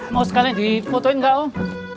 mau sekalian difotoin gak oh